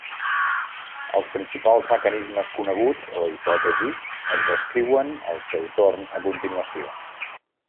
Els principals mecanismes coneguts o hipòtesis es descriuen al seu torn a continuació.